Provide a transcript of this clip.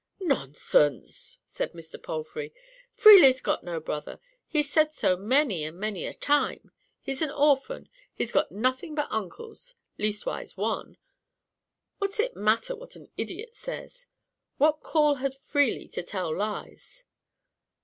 "Nonsense!" said Mr. Palfrey. "Freely's got no brother—he's said so many and many a time; he's an orphan; he's got nothing but uncles—leastwise, one. What's it matter what an idiot says? What call had Freely to tell lies?"